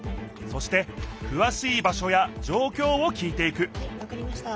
そしてくわしい場しょやじょうきょうを聞いていくはいわかりました。